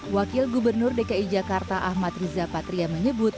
wakil gubernur dki jakarta ahmad riza patria menyebut